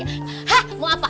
hah mau apa hah